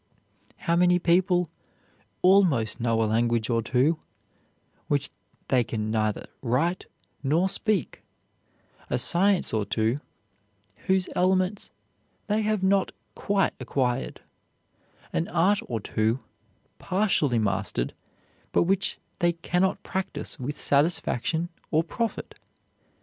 How many people "almost know a language or two," which they can neither write nor speak; a science or two whose elements they have not quite acquired; an art or two partially mastered, but which they can not practice with satisfaction or profit!